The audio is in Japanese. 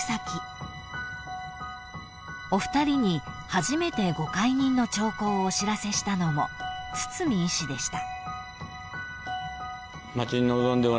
［お二人に初めてご懐妊の兆候をお知らせしたのも堤医師でした］